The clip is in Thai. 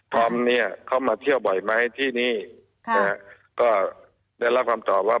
พร้อมเนี้ยเขามาเที่ยวบ่อยไหมที่นี้ครับซะก็ได้รับความตอบว่า